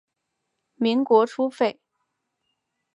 民国初废。